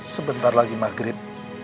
sebentar lagi maghrib